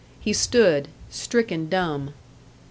He stood, stricken dumb.